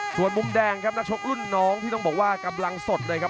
ส่วนมุมแดงครับนักชกรุ่นน้องที่ต้องบอกว่ากำลังสดเลยครับ